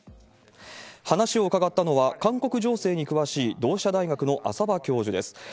話を伺ったのは、韓国情勢に詳しい同志社大学の浅羽教授です。